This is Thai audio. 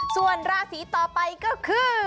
ส่วนราศีต่อไปก็คือ